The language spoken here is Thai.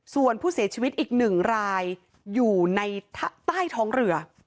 ส่วนผู้เสียชีวิตอีก๑รายอยู่ในใต้ท้องเรือ